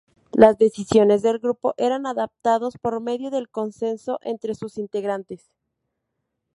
Las decisiones del Grupo eran adoptados por medio del consenso entre sus integrantes.